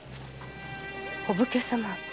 お武家様？